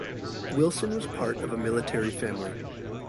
Wilson was part of a military family.